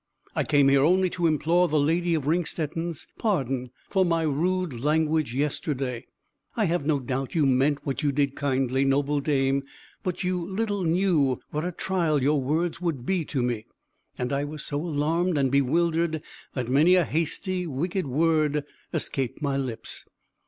I came here only to implore the Lady of Ringstetten's pardon for my rude language yesterday. I have no doubt you meant what you did kindly, noble Dame; but you little knew what a trial your words would be to me, and I was so alarmed and bewildered, that many a hasty, wicked word escaped my lips.